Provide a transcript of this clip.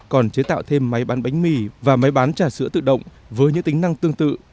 còn chế tạo thêm máy bán bánh mì và máy bán trà sữa tự động với những tính năng tương tự